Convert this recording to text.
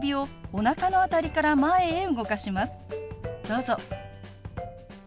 どうぞ。